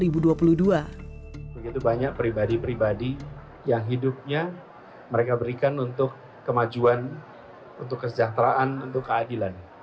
begitu banyak pribadi pribadi yang hidupnya mereka berikan untuk kemajuan untuk kesejahteraan untuk keadilan